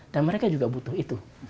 dan mereka juga butuh itu